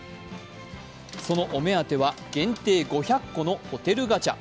そのお目当ては限定５００個のホテルガチャ。